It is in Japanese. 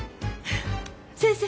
先生